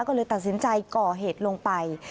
ก็เลยตัดสินใจก่อเหตุลงไป